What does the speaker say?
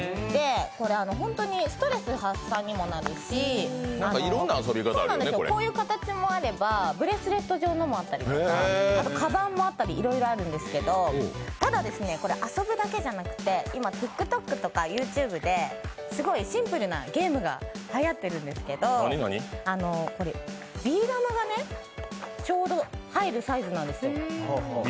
本当にストレス発散にもなるし、こういう形もあればブレスレット状のものもあったり、あとかばんもあったりいろいろあるんですけどただ、遊ぶだけじゃなくてＴｉｋＴｏｋとかＹｏｕＴｕｂｅですごいシンプルなゲームがはやっているんですけど、ビー玉がちょうど入るサイズなんですよ。